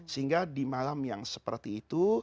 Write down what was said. sehingga di malam yang seperti itu